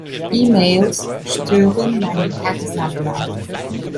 Emails stören meinen Tagesablauf.